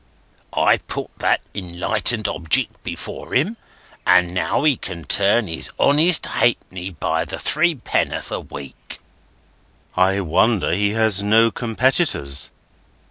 I put that enlightened object before him, and now he can turn his honest halfpenny by the three penn'orth a week." "I wonder he has no competitors."